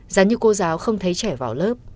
giá như cô giáo không thấy trẻ vào lớp